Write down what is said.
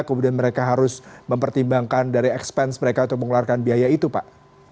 kemudian mereka harus mempertimbangkan dari expense mereka untuk mengeluarkan biaya itu pak